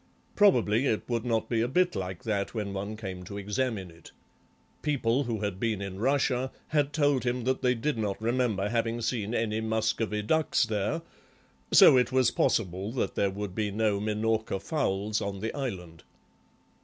Probably it would not be a bit like that when one came to examine it. People who had been in Russia had told him that they did not remember having seen any Muscovy ducks there, so it was possible that there would be no Minorca fowls on the island.